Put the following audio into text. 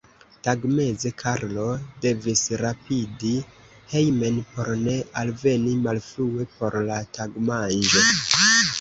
Tagmeze Karlo devis rapidi hejmen por ne alveni malfrue por la tagmanĝo.